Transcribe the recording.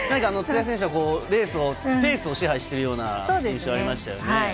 土屋選手はペースを支配してるような印象がありましたよね。